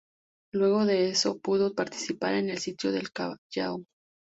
Luego de eso pudo participar en el sitio del Callao.